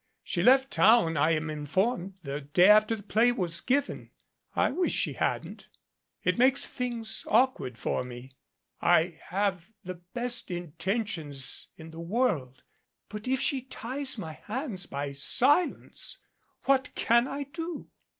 She left town, I am informed, the day after the play was given. I wish she hadn't. It makes things awkward for me. I have the best intentions in the world, but if she ties my hands by silence what can I do?"